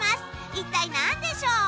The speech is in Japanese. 一体何でしょう？